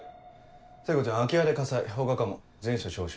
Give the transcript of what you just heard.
聖子ちゃん空き家で火災放火かも全署招集。